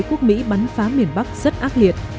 đế quốc mỹ bắn phá miền bắc rất ác liệt